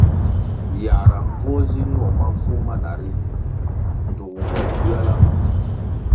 Yãhra mbvuo zi nuo mafu mana ri ndtug nguen nliola ma.